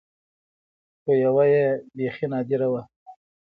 خو يوه يې بيخي نادره وه.